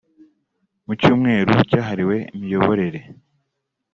Mu cyumweru cyahariwe imiyoborere